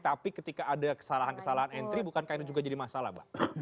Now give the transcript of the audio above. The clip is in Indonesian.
tapi ketika ada kesalahan kesalahan entry bukankah ini juga jadi masalah mbak